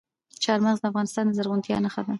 چار مغز د افغانستان د زرغونتیا نښه ده.